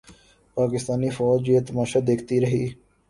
پاکستانی فوج یہ تماشا دیکھتی رہی۔